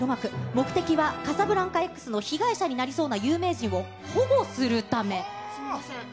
目的はカサブランカＸの被害者になりそうな有名人を保護するため。